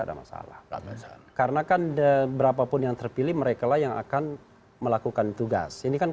ada masalah karena kan berapapun yang terpilih merekalah yang akan melakukan tugas ini kan